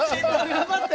頑張って！